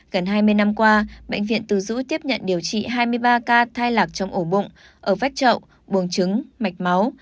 gần hai mươi năm qua bệnh viện từ dũ tiếp nhận điều trị hai mươi ba ca thai lạc trong ổ bụng ở vách trậu buồng trứng mạch máu